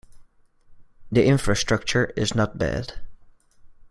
The infrastructure is not bad.